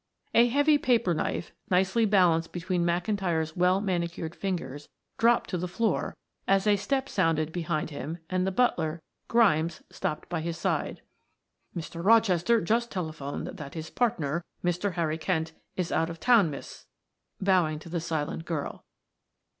A heavy paper knife, nicely balanced between McIntyre's well manicured fingers, dropped to the floor as a step sounded behind him and the butler, Grimes, stopped by his side. "Mr. Rochester just telephoned that his partner, Mr. Harry Kent, is out of town, Miss" bowing to the silent girl.